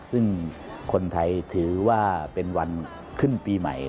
ซึ่งคนไทยถือว่าเป็นวันขึ้นปีใหม่